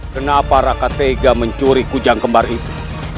kenapa raka tega mencuri kujang kembar itu